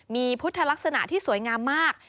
มีพุทธลักษณะที่สวยงามมาก